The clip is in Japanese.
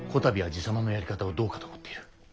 たびは爺様のやり方をどうかと思っている。